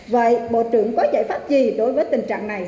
vậy bộ trưởng có giải pháp gì đối với tình trạng này